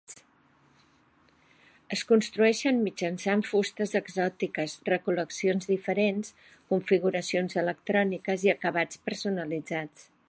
Es construeixen mitjançant fustes "exòtiques", recol·leccions diferents, configuracions electròniques i acabats personalitzats.